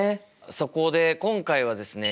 そこで今回はですね